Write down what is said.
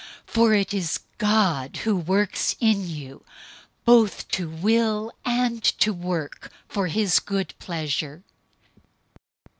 002:013 For it is God who works in you both to will and to work, for his good pleasure.